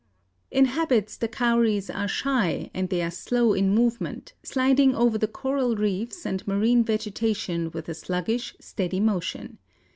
In habits the Cowries are shy and they are slow in movement, sliding over the coral reefs and marine vegetation with a sluggish, steady motion.